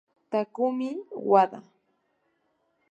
Takumi Wada